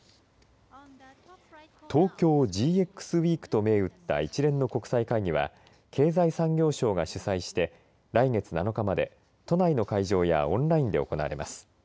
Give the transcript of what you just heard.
ウィークと銘打った一連の国際会議は経済産業省が主催して来月７日まで、都内の会場やオンラインで行われます。